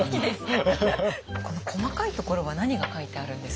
この細かいところは何が書いてあるんですか？